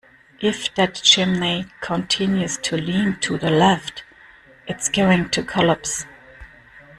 If that chimney continues to lean to the left, it's going to collapse.